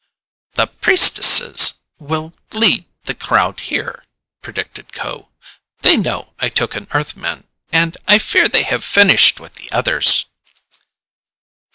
"The priestesses will lead the crowd here," predicted Kho. "They know I took an Earthman, and I fear they have finished with the others."